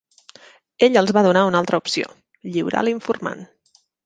Ell els va donar una altra opció: lliurar l'informant.